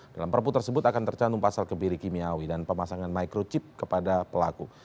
dalam perpu tersebut akan tercantum pasal kebiri kimiawi dan pemasangan microchip kepada pelaku